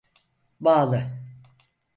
Bağlı.